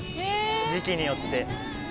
時期によって。